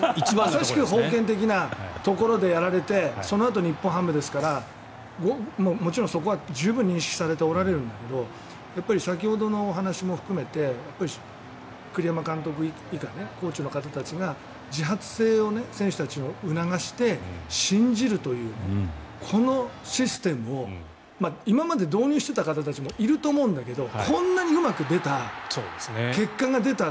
まさしく封建的なところでやられてそのあと日本ハムですからもちろんそこは十分認識されておられるんだけど先ほどのお話も含めて栗山監督以下、コーチの方たちが自発性を選手たちに促して信じるというこのシステムを今まで導入していた方たちもいると思うんだけどこんなにうまく出た、結果が出た